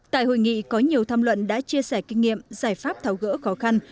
tại hội nghị có nhiều tham luận đã chia sẻ kinh nghiệm giải pháp tháo gỡ khó khăn